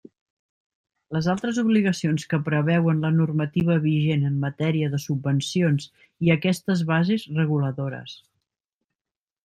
Les altres obligacions que preveuen la normativa vigent en matèria de subvencions i aquestes bases reguladores.